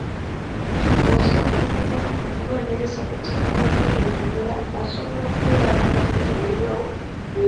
Bw'osooka okukola okunoonyereza ku ttaka ly'ogenda okugula, osobola okwewala okunyagibwa.